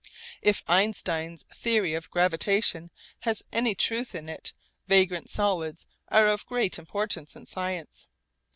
If Einstein's theory of gravitation has any truth in it, vagrant solids are of great importance in science.